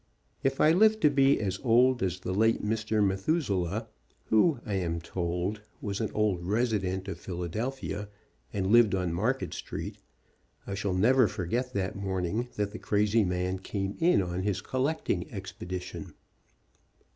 If I live to be as old as the late Mr. Methuselah, who, I am told, was an old resident of Philadelphia, and lived on Market street, I shall never forget that morn ing that the crazy man came in on his collecting ex pedition.